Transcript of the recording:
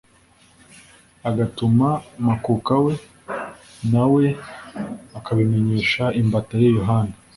agatuma makuka we, nawe akabimenyesha imbata ye Yohana."